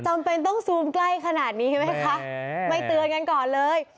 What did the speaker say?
จำเป็นต้องซูมใกล้ขนาดนี้ไหมคะไม่เตือนกันก่อนเลย